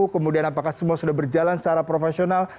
kemudian apakah semua sudah berjalan secara profesional